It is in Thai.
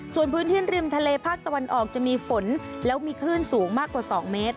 ส่วนพื้นที่ริมทะเลภาคตะวันออกจะมีฝนแล้วมีคลื่นสูงมากกว่า๒เมตร